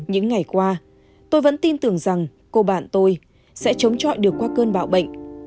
những ngày qua tôi vẫn tin tưởng rằng cô bạn tôi sẽ chống chọi được qua cơn bạo bệnh